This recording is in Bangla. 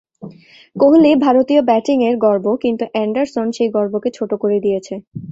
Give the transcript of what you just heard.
কোহলি ভারতীয় ব্যাটিংয়ের গর্ব কিন্তু অ্যান্ডারসন সেই গর্বকে ছোট করে দিয়েছে।